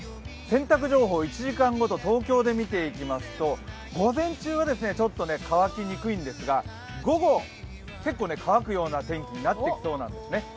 洗濯情報、１時間ごと、東京で見ていきますと午前中はちょっと乾きにくいんですが、午後、結構乾くような天気になってきそうなんですね。